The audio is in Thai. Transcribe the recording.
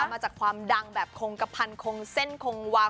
มาจากความดังแบบคงกระพันคงเส้นคงวาว